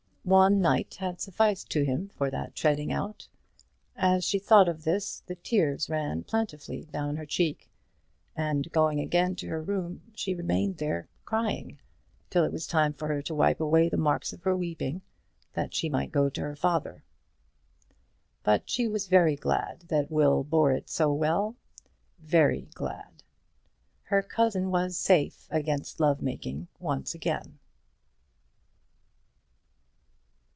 One night had sufficed to him for that treading out. As she thought of this the tears ran plentifully down her cheek; and going again to her room she remained there crying till it was time for her to wipe away the marks of her weeping, that she might go to her father. But she was very glad that Will bore it so well; very glad! Her cousin was safe against love making once again.